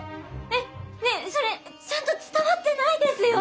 えっねえそれちゃんと伝わってないですよ！